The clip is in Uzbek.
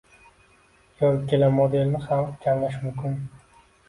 Yoki ikkala modelni ham jamlash mumkin